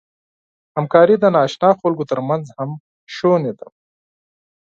همکاري د ناآشنا خلکو تر منځ هم شونې ده.